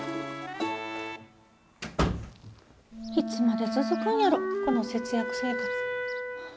いつまで続くんやろ、この節約生活。